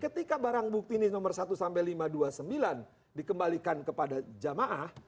ketika barang bukti ini nomor satu sampai lima ratus dua puluh sembilan dikembalikan kepada jamaah